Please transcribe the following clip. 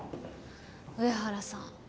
上原さん